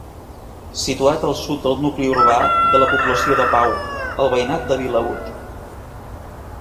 Situat al sud del nucli urbà de la població de Pau, al veïnat de Vilaüt.